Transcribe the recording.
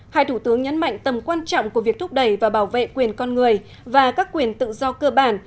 hai thủ tướng nhấn mạnh tầm quan trọng của việc thúc đẩy và bảo vệ quyền con người và các quyền tự do cơ bản